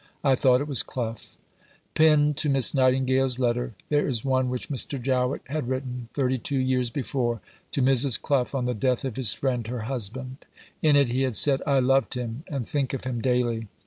I thought it was Clough.'" Pinned to Miss Nightingale's letter, there is one which Mr. Jowett had written, thirty two years before, to Mrs. Clough on the death of his friend, her husband. In it he had said: "I loved him and think of him daily.